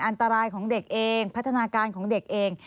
อันตรายของเด็กเองพัฒนาการของเด็กเอง